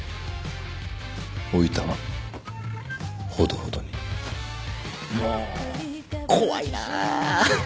おイタはほどほどに。も怖いな。